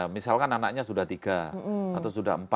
misalkan anaknya sudah tiga atau sudah empat